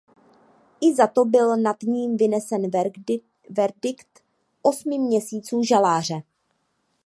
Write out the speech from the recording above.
I za to byl nad ním vynesen verdikt osmi měsíců žaláře.